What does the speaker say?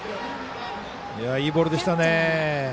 いいボールでしたね。